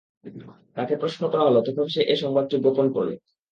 তাকে প্রশ্ন করা হল, তখন সে এ সংবাদটি গোপন করল।